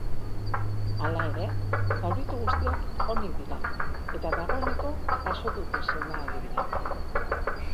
Hala ere, zauritu guztiak onik dira eta dagoeneko jaso dute senda-agiria.